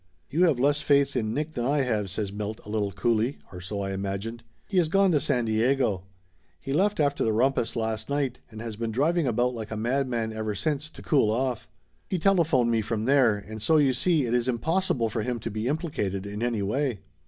"You have less faith in Nick than I have," says Milt a little coolly, or so I imagined. "He has gone to San Diego. He left after the rumpus last night, and has been driving about like a madman ever since, to cool off. He telephoned me from there, and so you see it is impossible for him to be implicated in any way."